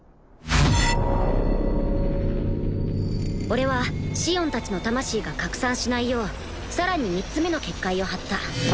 俺はシオンたちの魂が拡散しないようさらに３つ目の結界を張った